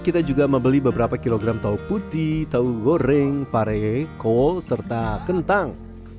kita juga membeli beberapa kilogram tau putih tahu goreng pare kol serta kentang